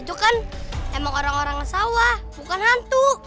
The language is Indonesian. itu kan emang orang orang sawah bukan hantu